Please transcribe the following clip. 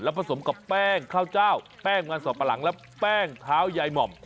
ผสมกับแป้งข้าวเจ้าแป้งมันสับปะหลังและแป้งเท้ายายหม่อม